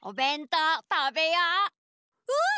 うん！